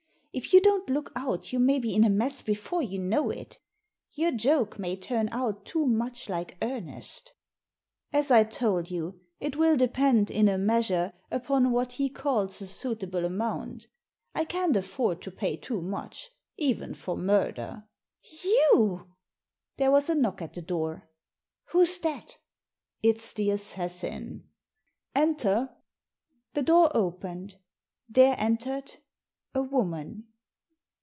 If you don't look out you may be in a mess before you know it Your joke may turn out too much like earnest" "As I told you, it will depend, in a measure, upon what he calls a suitable amount I can't afford to pay too much, even for murder." " Hugh !" There was a knock at the door. "Who's that?" " It's the assassin. Enter." The door opened. There entered — a woman.